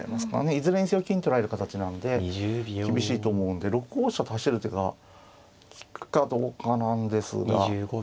いずれにせよ金取られる形なので厳しいと思うんで６五飛車と走る手が利くかどうかなんですが。